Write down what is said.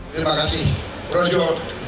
terima kasih projo